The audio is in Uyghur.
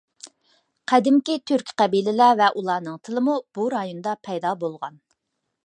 قەدىمكى تۈركىي قەبىلىلەر ۋە ئۇلارنىڭ تىلىمۇ بۇ رايوندا پەيدا بولغان.